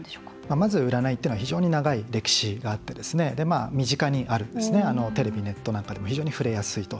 まず、占いというのは非常に長い歴史があって身近にあるテレビネットなんかでも非常に触れやすいと。